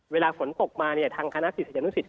เวลาฝนตกมาเนี่ยทางคณะศิษย์ศิษยานุศิษย์